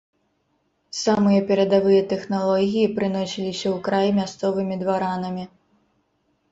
Самыя перадавыя тэхналогіі прыносіліся ў край мясцовымі дваранамі.